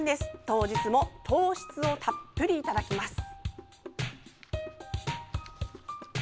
当日も糖質をたっぷりいただきます。